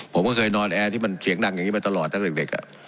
ผมก็เคยนอนแอร์ที่มันเสียงดังอย่างนี้มาตลอดตั้งแต่เด็ก